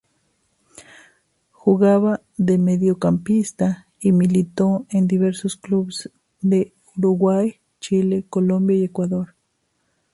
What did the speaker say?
Jugaba de mediocampista y militó en diversos clubes de Uruguay, Chile, Colombia y Ecuador.